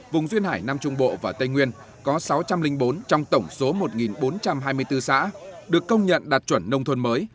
vùng duyên hải nam trung bộ và tây nguyên có sáu trăm linh bốn trong tổng số một bốn trăm hai mươi bốn xã được công nhận đạt chuẩn nông thôn mới